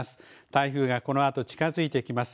台風がこのあと近づいてきます。